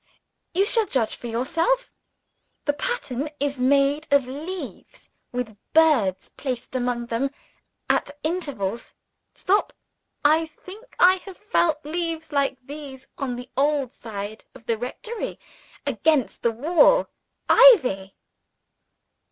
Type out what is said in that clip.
"You shall judge for yourself. The pattern is made of leaves, with birds placed among them, at intervals. Stop! I think I have felt leaves like these on the old side of the rectory, against the wall. Ivy?"